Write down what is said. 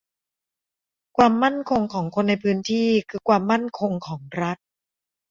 ความมั่นคงของคนในพื้นที่คือความมั่นคงของรัฐ